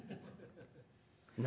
何？